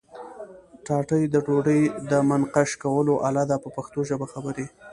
ټاټې د ډوډۍ د منقش کولو آله ده په پښتو ژبه خبرې.